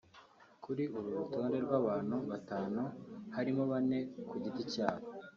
Kuri uru rutonde rw’abantu batanu harimo bane ku giti cyabo